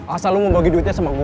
asal lu mau bagi duitnya sama gua